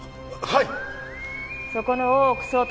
はい。